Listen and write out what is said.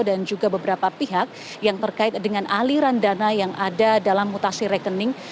dan juga beberapa pihak yang terkait dengan aliran dana yang ada dalam mutasi rekening